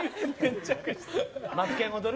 マツケン踊る？